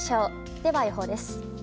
では、予報です。